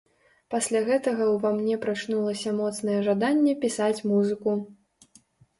Пасля гэтага ўва мне прачнулася моцнае жаданне пісаць музыку.